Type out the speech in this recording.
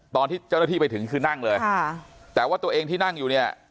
ตอนที่เจ้าหน้าที่ไปถึงคือนั่งเลยค่ะแต่ว่าตัวเองที่นั่งอยู่เนี่ย